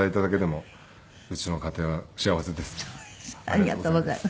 ありがとうございます。